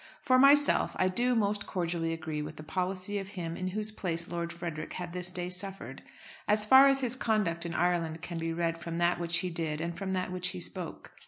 For myself, I do most cordially agree with the policy of him in whose place Lord Frederick had this day suffered, as far as his conduct in Ireland can be read from that which he did and from that which he spoke.